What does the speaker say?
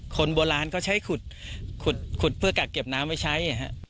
คนโบราณก็ใช้ขุดเพื่อกักเก็บน้ำไว้ใช้นะครับ